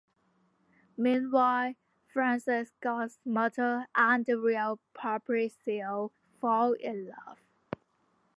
Meanwhile, Francesca's mother and the real Paprizzio fall in love.